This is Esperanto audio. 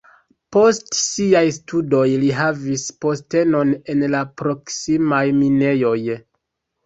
Post siaj studoj li havis postenon en la proksimaj minejoj.